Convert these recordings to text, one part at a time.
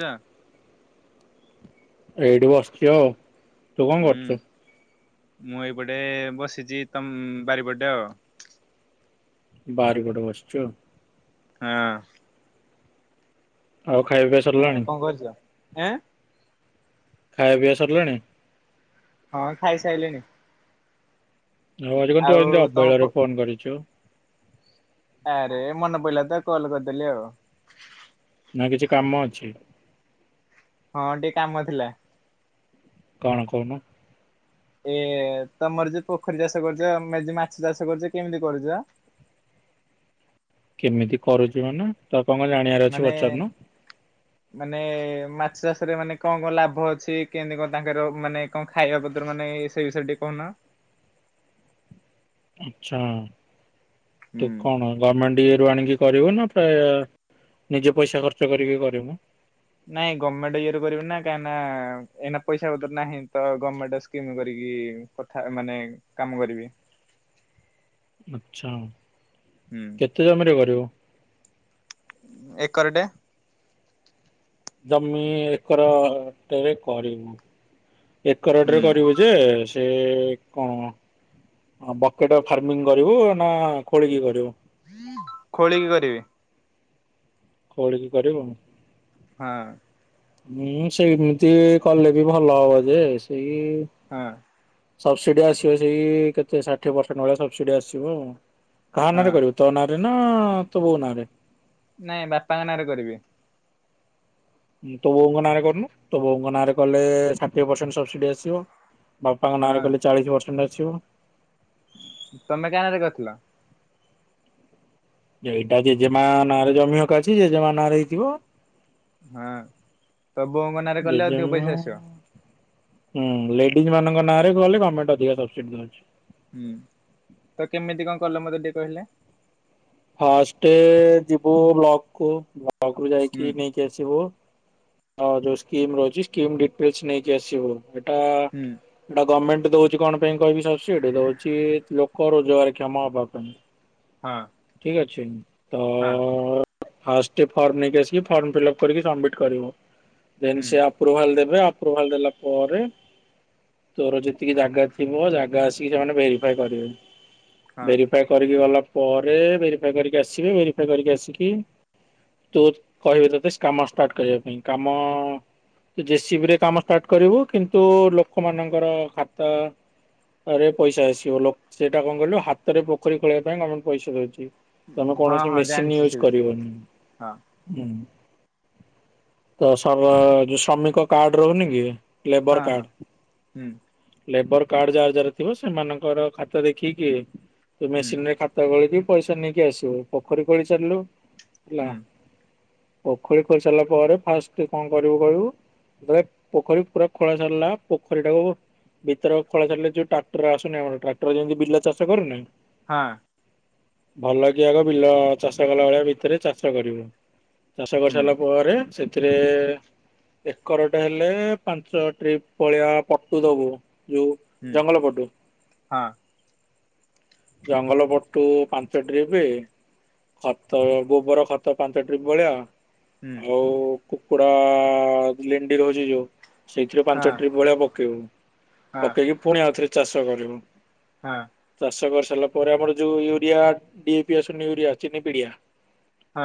ଚା। ଏଇଠି ବସିଛି ଆଉ। ତୁ କଣ ହୁଁ କରୁଛୁ? ମୁଁ ଏଇପଟେ ବସିଛି ତମ ବାରିପଟେ ଆଉ ବାରି ପଟେ ବସିଛ। ହଁ। ଆଉ ଖାଇବା ପିଇବା ସ ଆଉ କଣ କରୁଛ? ଖାଇବା ପିଇବା ସରିଲାଣି? ହଁ ଖାଇସାଇ ଲିଣି। ହରିବନ୍ଧୁ ଆଉ ଆଜି ତମ ପ ଅବବେଳାରେ ଫୋନ କରିଛୁ? ଆରେ ମନେ ପଡିଲା ତ କଲ କରିଦେଲି ଆଉ। ନା କିଛି କାମ ଅଛି? ହଁ ଟିକେ କାମ ଥିଲା। କଣ କହୁନୁ? ଏ ତମର ଯୋଉ ପୋଖରୀ ଚାଷ କରୁଛ ଯ ମାଛ ଚାଷ କରୁଛ କେମିତି କରୁଛ? କେମିତି କରୁଛି ମାନେ ତପଙ୍ଗ ଜାଣିବାର ଅଛି ମାନେ ପଚାରୁନୁ? ମାନେ ମାଛ ଚାଷ ରେ ମାନେ କଣ କଣ ଲାଭ ଅଛି କେମିତି କଣ ତାଙ୍କର ମାନେ କଣ ଖାଇବା ପତ୍ର ମାନେ ସେଇ ବିଷୟରେ ଟିକେ କହୁନ? ଆଛା, ତୁ ହୁଁ। କଣ ଗଭର୍ଣ୍ଣମେଣ୍ଟ ଇଏ ରୁ ଆଣିକି କରିବୁ ନା ପ୍ରାୟ ନିଜ ପଇସା ଖର୍ଚ୍ଚ କରିକି କରିବୁ? ନାଇଁ ଗଭର୍ଣ୍ଣମେଣ୍ଟ ଇଏରେ କରିବେ ନା ଏଇନା ପଇସାପତ୍ର ନାହିଁ ତ ଗମେଣ୍ଟ ସ୍କିମ୍ କାରିକି କଥା ମାନେ କାମ କରିବି। ଆଛା ଉଁ। ହୁଁ। କେତେ ଜମିରେ କରିବୁ? ଏକରଟେ। ଜମି ଏକର ଟରେ କରିବୁ ଏକର ଟରେ ହୁଁ କରିବୁ ଯେ ସେ କଣ ହଁ ବକେଟ ଫାର୍ମିଂ କରିବୁ ନା ଖୋଳିକି କରିବୁ? ଖୋଳିକି କରିବି। ଖୋଳିକି କରିବୁ? ହଁ। ହୁଁ ସେମିତି କଲେ ବି ଭଲ ହବ ଯେ ସେଇ ହଁ। ସବସିଡି ଆସିବ ସେଇ କେତେ ଷାଠିଏ ପରସେଟ ଭଳିଆ ସବସିଡି ଆସିବ ଆଉ। କାହା ନାଁ ରେ ହଁ କରିବୁ ତୋ ନାଁ ରେ ନା ତ ବୋଉ ନାଁ ରେ? ନାଇଁ ବାପାଙ୍କ ନାଁରେ କରିବି। ତୋ ବୋଉଙ୍କ ନାଁରେ କରନୁ ତୋ ବୋଉଙ୍କ ନାଁରେ କଲେ ଷାଠିଏ ପରସଣ୍ଟ ସବସିଡ଼ି ଆସିବ ବାପାଙ୍କ ନାଁରେ କଲେ ହଁ ଚାଳିଶ ପରସେଣ୍ଟ ଆସିବ। ତମେ କାହା ନାଁ ରେ କରିଥିଲ? ଏଇଟା ଜେଜେମା ନାଁରେ ଜମିହକା ଅଛି ଜେଜେମା ନାଁରେ ହେଇଥିବ। ହଁ ତ ବୋଉ ଙ୍କ ନାରେ କଲେ ଅଧିକ ଜେଜେମା ପଇସା ଆସି? ହୁଁ, ଲେଡିଜ ମାନଙ୍କ ନାଁରେ କଲେ ଗମେଣ୍ଟ ଅଧିକ ସବସିଡି ଦଉଛି। ହୁଁ, ତ କେମିତି କଣ କଲେ ମତେ ଟିକେ କହିଲେ? ଫାଷ୍ଟ ଯିବୁ ବ୍ଲକ କୁ ବ୍ଲକ ରୁ ହୁଁ ଯାଇକି ନେଇକି ଆସିବୁ। ହଁ ଯୋଉ ସ୍କିମ ରହିଛି ସ୍କିମ ଡିଟେଲସ ନେଇକି ଆସିବୁ। ଏଟା ହୁଁ ଏଟା ଗଭର୍ଣ୍ଣମେଣ୍ଟ ଦଉଛି କଣ ପାଇଁ କହିବି ସବସିଡି ଦଉଛି ଲୋକ ରୋଜଗାର କ୍ଷମ ହବା ପାଇଁ। ହଁ। ଠିକ ଅଛି ତ ହଁ ଫାଷ୍ଟେ ଫର୍ମ ନେଇକି ଆସିକି ଫର୍ମ ଫିଲ୍ଅପ୍ କରିକି ସବମିଟ୍ କରିବୁ। ଦେନ୍ ହୁଁ ସେ ଆପ୍ରୁଭାଲ ଦେବେ ଆପ୍ରୁଭାଲ ଦେଲା ପରେ ତୋର ଯେତିକି ଜାଗା ଥିବ ଜାଗା ଆସିକି ସେମାନେ ଭେରିଫାଏ କରିବେ ହଁ ଭେରି କରିକି ଗଲା ପରେ ଭେରିଫାଏ କରିକି ଆସିବେ। ଭେରିଫାଏ କରିକି ଆସିକି ତୁ କହିବେ ତତେ କାମ ଷ୍ଟାର୍ଟ କରିବା ପାଇଁ କାମ ଜେ ସିବି ରେ କାମ ଷ୍ଟାର୍ଟ କରିବୁ କିନ୍ତୁ ଲୋକମାନଙ୍କର ଖାତା। ରେ ପଇସା ଆସିବ ଲୋ ସେଇଟା କଣ କହିଲୁ ହାତରେ ପୋଖରୀ ଖୋଳିଇବା ପାଇଁ ଗମେଣ୍ଟ ପଇସା ଦଉଛି। ତମେ ହଁ କୌଣସି ହଁ ମେସିନ ଜାଣିଛି ସେ ୟୁଜ ବିଷୟରେ କରିବନି ହଁ ହୁଁ। ତ ଯୋଉ ଶ୍ରମିକ କାର୍ଡ ରହୁନି କି ଲେବର ହଁ ହଁ କାର୍ଡ। ହୁଁ ଲେବର କାର୍ଡ ଯାହାର ଯାହାରଥିବ ସେମାନଙ୍କର ଖାତା ଦେଖିକି ତୁମେ ହୁଁ ମେସିନରେ ଖା ଗତ ଗୋଳିକି ପଇସା ନେଇକି ଆସିବୁ ପୋଖରୀ ଖୋଳି ଚାଲିଲୁ ହେଲା। ହୁଁ ପୋଖରୀ ଖୋଳି ସାରିଲା ପରେ ଫାଷ୍ଟ କଣ କରିବୁ କହିବୁ ଯେତେବେଳେ ପୋଖରୀ ପୁରା ଖୋଳା ସାରିଲା ପୋଖରୀଟାକୁ ଭିତର ଖୋଳା ଛାଡିଲେ ଯଉ ଟ୍ରାକ୍ଟର ଆସୁନି ଆମର ଟ୍ରାକ୍ଟର ଯେମିତି ବିଲ ଚାଷ କରୁନି। ହାଁ। ଭଲ କି ଆଗ ବିଲ ଚାଷ କଲା ଭଳିଆ ଭିତରେ ଚାଷ କରିବୁ ଚାଷ ହୁଁ କରିସାରିଲା ପରେ ସେ ଏଥିରେ ଏକର ଟା ହେଲେ ପାଞ୍ଚ ଟ୍ରିପ ଭଳିଆ ପଟୁ ଦବୁ। ଯୋଉ ହୁଁ ଜଙ୍ଗଲ ପଟୁ। ହଁ ଜଙ୍ଗଲ ପଟୁ ପାଞ୍ଚ ଟ୍ରିପ। ଖତ ଗୋବର ଖତ ପାଞ୍ଚ ଟ୍ରିପ୍ ଭଳିଆ। ହୁଁ ଆଉ କୁକୁଡା ଲେଣ୍ଡି ରହୁଛି ଯୋଉ ସେଇଥିରେ ପାଞ୍ଚ ହଁ ଟ୍ରିପ ଭଳିଆ ପକେଇବୁ ହଁ ପକେଇକି ପୁଣି ଆଉଥରେ ଚାଷ କରିବୁ। ହାଁ। ଚାଷ କରିସାରିଲା ପରେ ଆମର ଯୋଉ ୟୁରିଆ ଡିଏପି ଆସୁନି ୟୁରିଆ ଚିନି ପିଡିଆ। ହଁ।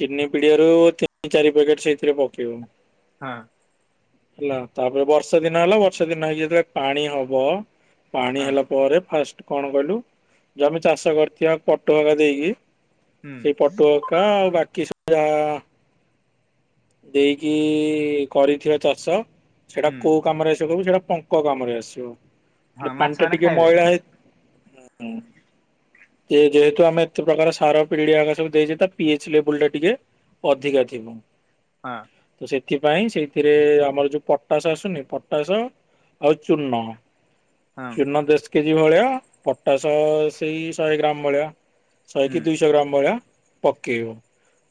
ଚିନି ପିଡିଆରୁ ତିନି ଚାରି ପ୍ୟାକେଟ ସେଇଥିରେ ପକେଇବ। ହାଁ। ହେଲା ତାପରେ ବର୍ଷା ଦିନ ହେଲା ବର୍ଷା ଦିନ ହେଇକି ଯେତେବେଳେ ପାଣି ହବ। ପାଣି ହଁ ହେଲା ପରେ ଫାଷ୍ଟ କଣ କହିଲୁ ଯ ଆମେ ଚାଷ କରିଥିବା ପଟୁ ହକା ଦେଇକି ହୁଁ ସେଇ ପଟୁ ହକା ଆଉ ବାକି ସବ ଯାହା ଦେଇକି କରିଥିବା ଚାଷ ସେଟା ହୁଁ କୋଉ କାମରେ ଏସବୁ ସେଟା ପ ପୋକ କାମରେ ଆସିବ ହଁ ହେ ମାଛ ପାଣି ଟା ମାନେ ଟିକେ ଖାଇବେ ମଇଳା ହେଇ ଯେ ଯେହେତୁ ଆମେ ଏତେ ପ୍ରକାର ସାର ପିଢିଆ ହାକା ସବୁ ଦେଖିଚି ତ ପିଏଚ୍ ଲେବୁଲ ଟା ଟିକେ ଅଧିକା ଥିବ। ହଁ। ସେଥିପାଇଁ ସେଇଥିରେ ଆମର ଯୋଉ ପଟାସ ଆସୁନି ପଟାସ ହଉ ଚୂର୍ଣ୍ଣ ହଁ ଚୂନ ଦଶ କେଜି ଭଳିଆ ପଟାସ ସେଇ ଶହେ ଗ୍ରାମ ଭଳିଆ। ଶହେ କି ହୁଁ ଦୁଇଶହ ଗ୍ରାମ ଭଳିଆ ପକେଇବ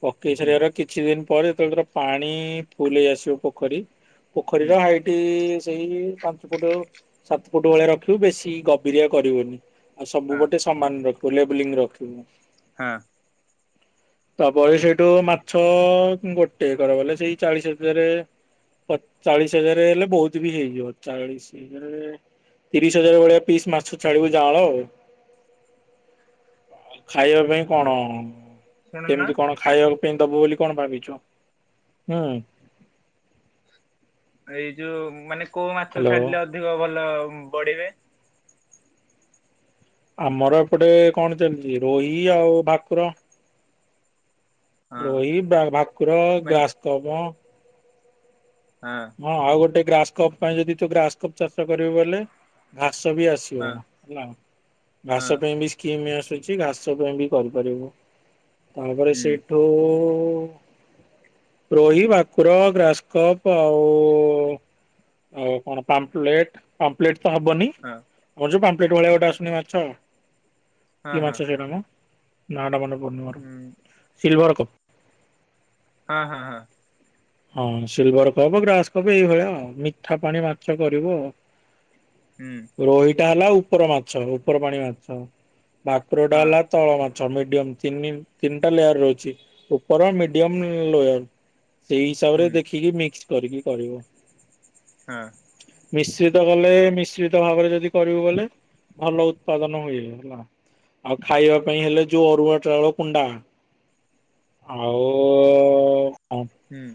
ପକେଇ ହୁଁ ସାରିବାର କିଛି ଦିନ ପରେ ଯେତେବେଳେ ତର ପାଣି ଫୁଲ ହେଇ ଆସିବ ପୋଖରୀ, ହୁଁ ପୋଖରୀର ହାଇଟ ଏ ସେଇ ପାଞ୍ଚ ଫୁଟ ସାତ ଫୁଟ ଭଳିଆ ରଖିବୁ ବେଶୀ ଗଭୀରିଆ କରିବୁନି। ଆଉ ସବୁ ହଁ ଗୋଟେ ସମାନ ରଖିବୁ ଲେବଲିଙ୍ଗ ରଖିବୁ। ହାଁ। ତା ବୟସେ ଟୋ ମାଛ ଗୋଟେ କର ଗଲେ ସେଇ ଚାଳିଶ ହଜାରେ ପଚ ଚାଳିଶ ହଜାର ହେଲେ ବହୁତ ବି ହେଇଯିବ ଚାଳିଶ ହଜାର ତିରିଶ ହଜାର ଭଳିଆ ପିସ୍ ମାଛ ଛାଡିବୁ ଜାଅଳ। ହ ଖାଇବା ପାଇଁ କଣ-ଅ-ଅ ଶୁଣୁନ କେମିତି କଣ ଖାଇବା ପାଇଁ ଦବୁ ବୋଲି କଣ ଭାବିଛୁ ହୁଁ ଏଇ ଯୋଉ ମାନେ କୋଉ ମାଛ ହ୍ୟାଲୋ। ଛାଡିଲେ ଅଧିକ ଭଲ ବଢିବେ? ଆମର ଏପଟେ କଣ ଚାଲିଛି ରୋହି ଆଉ ଭାକୁର। ହଁ ରୋହି, ଭା ଭାକୁର, ମାନେ ଗାସ୍ତମ। ହଁ। ହଁ ଆଉ ଗୋଟେ ଗ୍ରାସ କପ୍ ପାଇଁ ଯଦି ତୁ ଗ୍ରାସ କପ୍ ଚାଷ କରିବୁ ବୋଲେ ଘାସ ବି ଆସି ବ ହଁ ହେଲା ଘାସ ହଁ ପାଇଁ ବି କିମି ଆସୁଛି ଘାସ ପାଇଁ ବି କରିପାରିବୁ ତାପରେ ହୁଁ ସେ ଓ-ଓ-ଓ-ଓ ରୋହି, ଭାକୁର, ଗ୍ରାସ କପ ଆଉ-ଉ-ଉ-ଉ ଆଉ କଣ ପାମ୍ପଲେଟ ପାମ୍ପଲେଟ ତ ହବନି। ହଁ ହ ଯୋଉ ପାମ୍ପ୍ଲେଟ ଭଳିଆ ଗୋଟେ ଆସୁନି ମାଛ ହଁ କି ମାଛ ହଁ ସେଟା ମ ନାଁ ଟା ମନେ ପଡୁନି ମୋର ହୁଁ ସିଲଭର କପ। ହଁ ହଁ ହଁ। ହଁ ସିଲଭର କବ ଗ୍ରାସ କବ ଏଇଭଳିଆ ଆଉ ମିଠା ପାଣି ମାଛ କରିବୁ। ହୁଁ। ରୋହିଟା ହେଲା ଉପର ମାଛ ଉପର ପାଣି ମାଛ ଭାକୁରଟା ହଁ ହେଲା ତଳ ମାଛ ମିଡିୟମ ତିନି ତିନିଟା ଲେୟାର ର ଅଛି ଉପର, ମିଡିୟମ, ଲୋୟର। ସେଇ ହିସାବ ରେ ହୁଁ ଦେଖିକି ମିକ୍ସ କରିକି କରିବ। ହଁ। ମିଶ୍ରିତ କଲେ-ଏ-ଏ ମିଶ୍ରିତ ଭାବରେ ଯଦି କରିବୁ ବୋଲେ ଭଲ ଉତ୍ପାଦନ ହୁଏ ହେଲା। ଆଉ ଖାଇବା ପାଇଁ ହେଲେ ଯୋଉ ଅରୁଆ ଚାଉଳ କୁଣ୍ଡା ଆଉ-ଉ-ଉ-ଉ-ଉ କଣ ହୁଁ।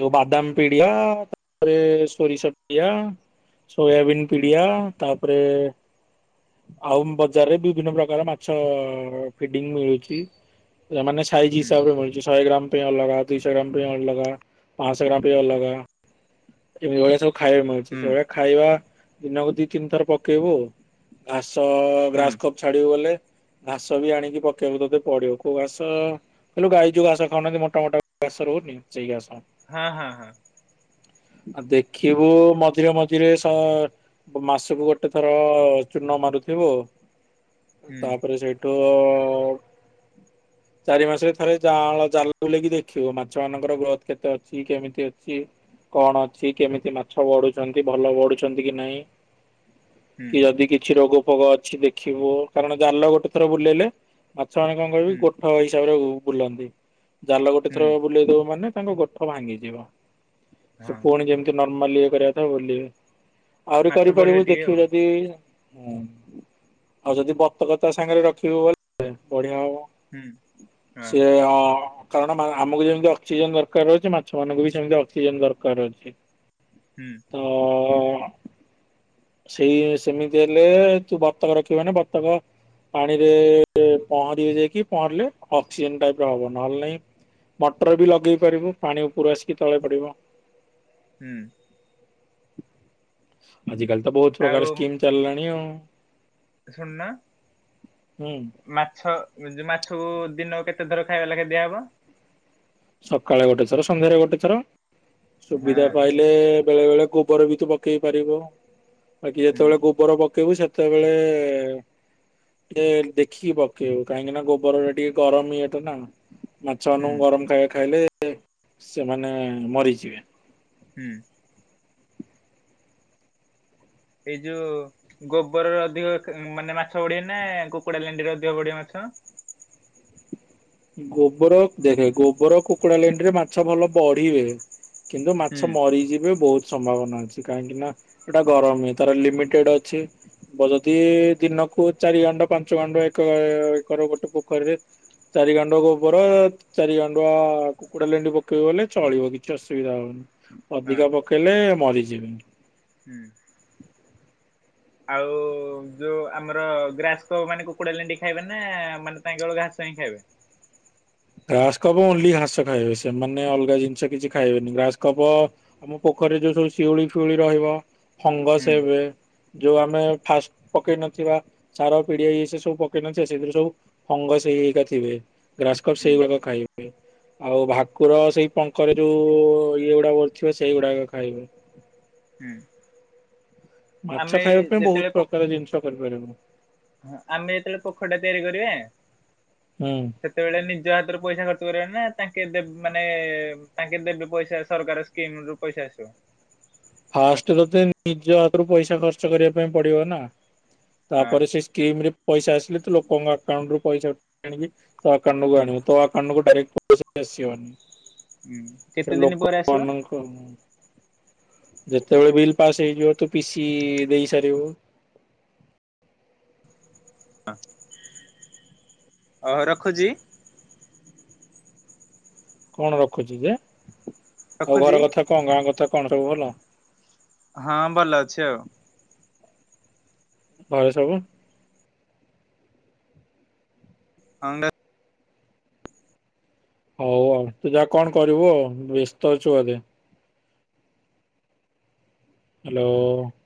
ଯୋଉ ବାଦାମ ପିଡିଆ-ଆ-ଆ-ଆ ତାପରେ ସୋରିଷ ଡିଆ। ସୋୟାବିନ୍ ହୁଁ ପିଡ଼ିଆ ତାପରେ-ଏ-ଏ ଆଉ ବଜାରରେ ବିଭିନ୍ନ ପ୍ରକାର ମାଛ-ଅ-ଅ-ଅ ଫିଡିଙ୍ଗ ମିଳୁଛି ହେଲା ମାନେ ସେ ସାଇଜ୍ ହୁଁ ହିସାବରେ ମିଳଛି ଶହେ ଗ୍ରାମ ପାଇଁ ଅଲଗା ଦୁଇ ଶହ ଗ୍ରାମ ପାଇଁ ଅଲଗା ପାଆଶ ଗ୍ରାମ ପାଇ ଅଲଗା ଏଭଳିଆ ସବୁ। ଖାଇବା ମିଳୁଛି ହୁଁ ସେଇଭଳିଆ ଖାଇବା ଦିନକୁ ଦି ତିନି ଥର ପକେଇବୁ। ଘାସ-ଅ-ଅ-ଅ ହୁଁ ଗ୍ରାସ୍ କପ ଛାଡିବ ବୋଲେ ଘାସ ବି ଆଣିକି ପକେଇବୁ ତତେ ପଡିବ କୋଉ ଘାସ-ଅ-ଅ ଇଲୋ ଗାଈ ଯୋ ଘାସ ଖାଉନାହାନ୍ତି ମୋଟାମୋଟା ଘାସ ରହୁନି ସେଇ ଘାସ। ହଁ ହଁ ହଁ। ଆ ଦେଖିବୁ ମଝିରେ ମଝିରେ ସ ମାସକୁ ଗୋଟେ ଥର-ଅ-ଅ-ଅ ଚୂର୍ଣ ମାରୁଥିବୁ ହୁଁ ତାପରେ ସେଇଠୁ-ଉ-ଉ-ଉ ଚାରି ମାସରେ ଥରୋ ଯାଆଁଳ ଜାଲ ବୁଲେଇକି ଦେଖିବୁ ମାଛ ମାନଙ୍କର ଗ୍ରୋଥ କେତେ ଅଛି କେମିତି ଅଛି। କଣ ଅଛି କେମିତି ମାଛ ବଢୁଛନ୍ତି ଭଲ ବଢୁଛନ୍ତି କି ନାଇଁ। ହୁଁ କି ଯଦି କିଛି ରୋଗ ଫୋଗ ଅଛି ଦେଖିବୁ କାରଣ ଜାଲ ଗୋଟେ ଥର ବୁଲେଇଲେ ମାଛ ମାନେ କଣ କହିବି ହୁଁ ଗୋଠ ହିସାବରେ ବୁ ବୁଲନ୍ତି ଜାଲ ଗୋଟେ ହୁଁ ଥର ବୁଲେଇ ଦବୁ ମାନେ ତାଙ୍କ ଗୋ ଠ ଭାଙ୍ଗିଯିବ ସେ ହଁ ପୁଣି ଯେମିତି ନର୍ମାଲି ଇଏ କରିବା କଥା ବୁଲିବେ। ଆହୁରି ମାଛ ବଢିବେ କରିପାରିବୁ ଟିକେ ଦେଖିବୁ ଆଉ ଯଦି ହୁଁ ଆଉ ଯଦି ବତକ ତା ସାଙ୍ଗରେ ରଖିବୁ [unintelligible] ବଢିଆ ହବ। ହୁଁ ହଁ ସିଏ ଆ କାରଣ ଆମକୁ ଯେମିତି ଅକ୍ସିଜେନ ଦରକାର ଅଛି ମାଛ ମାନଙ୍କୁ ବି ସେମିତି ଅକ୍ସିଜେନ ଦରକାର ଅଛି। ହୁଁ ତ ସେଇ ସେମିତି ଦେଲେ ତୁ ଭତକ ରଖିବି ମାନେ ବତକ ପାଣିରେ ପହଁରିବ ଯାଇକି ପହଁରିଲେ ଅକ୍ସିଜେନ ଟାଇପ ର ହବ। ନହେଲେ ନାଇଁ ମଟର ବି ଲଗେଇ ପାରିବୁ ପାଣି ଉପରୁ ଆସିକି ତଳେ ପଡିବ। ହୁଁ। ଆଜି କାଲି ତ ବହୁତ ଆଉ ପ୍ରକାର ସ୍କିମ ଚାଲିଲାଣି ଆଉ। ଶୁଣୁନ ହୁଁ ମାଛ ମାଛକୁ ଦିନକୁ କେତେ ଧର ଖାଇବା ଲାଖେ ଦିଆହେବ। ସକାଳେ ଗୋଟେ ଥର ସନ୍ଧ୍ୟାରେ ଗୋଟେ ଥର। ହଁ ସୁବିଧା ପାଇ ଲେ ବେଳେ ବେଳେ ଗୋବର ବି ତୁ ପକେଇ ପାରିବୁ। ବାକି ହୁଁ ଯେତେବେଳେ ଗୋବର ପକେଇବୁ ସେ ତେବେଳେ ଏ ଟିକେ ଦେଖିକି ପକେଇବୁ କାହିଁକି ନା ଗୋବର ଟା ଟିକେ ଗରମ ଇ ଏଟା ନା। ହୁଁ ମାଛମାନଙ୍କୁ ଗରମ ଖାଇବା ଖାଇଲେ ସେମାନେ ମରିଯିବେ। ହୁଁ। ଏଇ ଯୋଉ ଗୋବରର ଅଧିକ ମାନେ ମାଛ ବଢ଼ିବେ ଆ ନା କୁକୁଡା ଲେଣ୍ଡିରେ ଅଧିକ ବଢ଼ିବେ ମାଛ? ଗୋବର ଦେଖେ ଗୋବର କୁକୁଡା ଲେଣ୍ଡିରେ ମାଛ ଭଲ ବଢିବେ। କିନ୍ତୁ ହୁଁ ମାଛ ମରିଯିବେ ବହୁତ ସମ୍ଭାବନା ଅଛି କାହିଁକି ନା ଏଟା ଗରମ ତାର ଲିମିଟେଡ ଅଛି। ହବ ଯଦି ଦିନକୁ ଚାରି ଗାଣ୍ଡ ପାଞ୍ଚ ଗାଣ୍ଡ ଏକ ଏକର ଗୋଟେ ପୋଖରୀରେ ଚାରିି ଗାଣ୍ଡ ଗୋବର ଚାରି ଗାଣ୍ଡୁଆ କୁକୁଡା ଲେଣ୍ଡି ପକେଇବ ବଲେ ଚଳିବ କିଛି ଅସୁବିଧା ହବନି। ହଁ ଅଧିକା ପକେଇଲେ ମରିଯିବେ। ହୁଁ। ଆଉ ଯୋଉ ଆମର ଗ୍ରାସକୋ ମାନେ କୁକୁଡା ଲେଣ୍ଡି ଖାଇବେ ନା ମାନେ ତାଙ୍କଳ ଘାସ ହିଁ ଖାଇବେ। ଘ୍ରାସ କପ ଓନ୍ଲି ଘାସ ଖାଇବେ ସେମାନେ ଅଲଗା ଜିନିଷ କିଛି ଖାଇବେନି। ଗ୍ରାସ କପ ଆମ ପୋଖରୀ ଯୋଉ ସବୁ ଶିଉଳି ଫିଉଳି ରହିବ ଫଙ୍ଗସ ହୁଁ ହେବେ ଯୋଉ ଆମେ ଫାଷ୍ଟ ପକେଇ ନଥିବା ସାର ପିଡିଆ ସେ ସବୁ ପକେଇ ନଥିବା ସେଥିରୁ ସବୁ ଫଙ୍ଗସ ହେଇ ହେଇକା ଥିଵେ ଗ୍ରାସ କପ୍ ହୁଁ ସେଇଗୁଆକ ଖାଇବେ। ଆଉ ଭାକୁର ସେଇ ପଙ୍କରେ ଯୋଉ ଇଏ ଗୁଡା ବୁଲୁଥିବେ ସେଇଗୁଡାକ ଖାଇବେ। ହୁଁ। ମାଛ ଆମେ ଖାଇବା ପାଇଁ ଯେତେବେଳେ ବହୁତ ପୋ- ପ୍ରକାର ଜିନିଷ କରିପାରିବୁ। ଆମେ ଯେତେବେଳେ ପୋଖରୀଟା ତିଆରି କରିବା ହୁଁ ସେତବେଳେ ନିଜ ହାତରେ ପଇସା ଖର୍ଚ୍ଚ କରିବ ନା ତାଙ୍କେ ମାନେ ତାଙ୍କେ ଦେବେ ପଇସା ସରକାର କେମରୁ ପଇସା ଆସିବ? ଫାଷ୍ଟ ରୁ ତ ନିଜ ହାତରୁ ପଇସା ଖର୍ଚ୍ଚ କରିବା ପାଇଁ ପଡିବ ନା। ତାପରେ ହଁ ସେ ସ୍କିମ୍ର ପଇସା ଆସିଲେ ତୁ ଲୋକଙ୍କ ଆକାଉଣ୍ଟରୁ ପଇସା ଆଣିକି ତୋ ଆକାଉଣ୍ଟକୁ ଆଣିିବୁ। ତୋ ଆକାଉଣ୍ଟକୁ ଡାଇରେକ୍ଟ ପଇସା ଆସିବନି। ହୁଁ କେତେ ସେ ଦିନି ପରେ ଆସିବ? ଲୋକମାନଙ୍କ ଯେତେବେଳେ ବିଲ୍ ପାସ୍ ହେଇଯିବ ତୁ ପିସି ଦେଇ ସାରିବୁ [unintelligible] ଓହୋ ରଖୁଛି। କଣ ରଖୁଛି ଯେ, ଆଉ ରଖୁଛି ଘର କଥା କଣ, ଗାଁ କଥା କଣ, ସବୁ ଭଲ। ହଁ ଭଲ ଅଛି ଆଉ। ଘରେ ସବୁ [unintelligible] ହଉ ଆଉ ତୁ ଯାହା କଣ କରିବୁ ଆଉ, ବେସ୍ତ ଅଛୁ ବୋଧେ। ହ୍ୟାଲୋ।